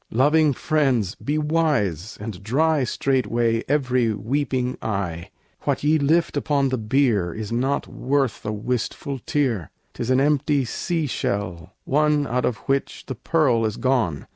Loving friends! be wise, and dry Straightway every weeping eye: What ye lift upon the bier Is not worth a wistful tear. 'Tis an empty sea shell, one Out of which the pearl is gone.